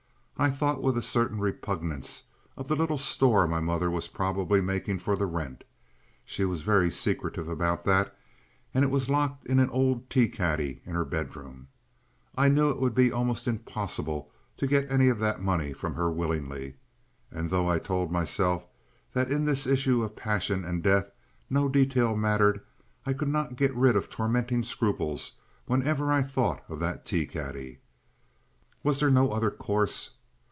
I thought with a certain repugnance of the little store my mother was probably making for the rent. She was very secretive about that, and it was locked in an old tea caddy in her bedroom. I knew it would be almost impossible to get any of that money from her willingly, and though I told myself that in this issue of passion and death no detail mattered, I could not get rid of tormenting scruples whenever I thought of that tea caddy. Was there no other course?